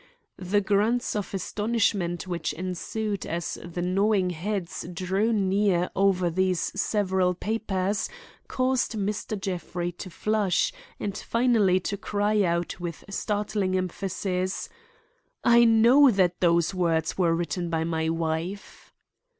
The grunts of astonishment which ensued as the knowing heads drew near over these several papers caused Mr. Jeffrey to flush and finally to cry out with startling emphasis: "I know that those words were written by my wife."